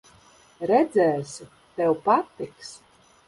Redzēsi, tev patiks.